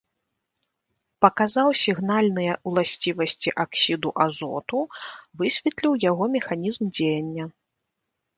Паказаў сігнальныя ўласцівасці аксіду азоту, высветліў яго механізм дзеяння.